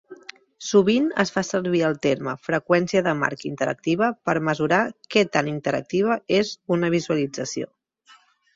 Sovint es fa servir el terme "freqüència de marc interactiva" per mesurar què tan interactiva és una visualització.